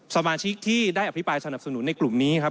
สมาชิกที่ได้อภิปรายสนับสนุนในกลุ่มนี้ครับ